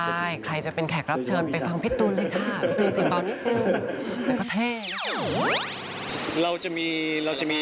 ใช่ใครจะเป็นแขกรับเชิญไปฟังพี่ตูนเลยค่ะพี่ตูนเสียงเบานิดนึงแต่ก็แทบ